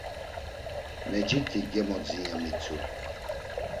Mecit̆i gemodzin ya mitzu.